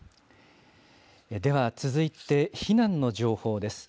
では続いて、避難の情報です。